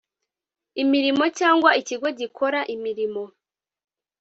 imirimo cyangwa ikigo gikora imirimo